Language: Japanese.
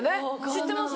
・知ってます